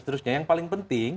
terusnya yang paling penting